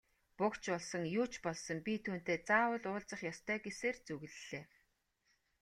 Буг ч болсон, юу ч болсон би түүнтэй заавал уулзах ёстой гэсээр зүглэлээ.